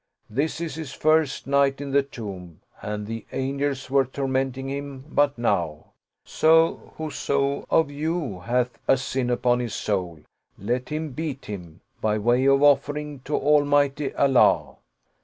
This is his first night in the tomb and the Angels were tormenting him but now ; so whoso of you hath a sin upon his soul, let him beat him, by way of offering to Almighty Allah."